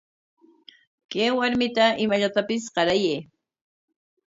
Kay warmita imallatapis qarayuy.